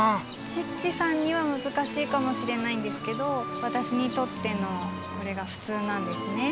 チッチさんにはむずかしいかもしれないんですけどわたしにとってのこれがふつうなんですね。